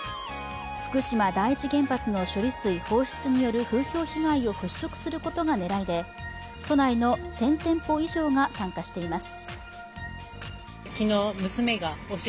福島第一原発の処理水放出による風評被害を払拭することが狙いで都内の１０００店舗以上が参加しています。